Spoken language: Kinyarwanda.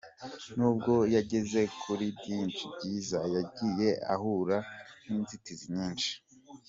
Nubwo yageze kuri byinshi byiza yagiye ahura n’inzitizi nyinshi.